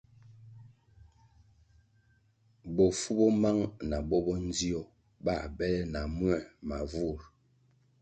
Bofu bo mang na bo bo ndzio bā bele na muē ma vur.